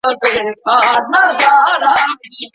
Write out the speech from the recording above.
د مړینې سند څوک ورکوي؟